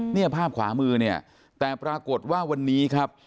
เนี่ยภาพขวามือเนี่ยแต่ปรากฏว่าวันนี้ครับ